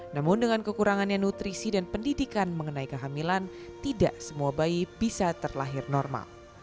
namun dengan kekurangannya nutrisi dan pendidikan mengenai kehamilan tidak semua bayi bisa terlahir normal